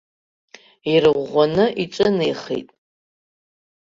Ирӷәӷәаны иҿынеихеит.